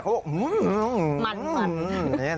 เขาอื้อหือหือหือ